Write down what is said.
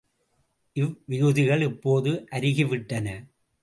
இவ்விகுதிகள் இப்போது அருகிவிட்டன.